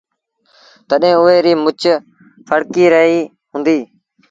تڏهيݩ اُئي ريٚ مڇ ڦڙڪي رهيٚ هُݩدي۔